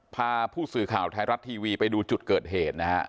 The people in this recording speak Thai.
พาผู้สื่อข่าวไทยรัฐทีวีไปดูจุดเกิดเหตุนะฮะ